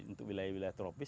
untuk wilayah wilayah tropis